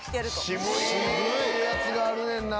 渋いやつがあるねんな。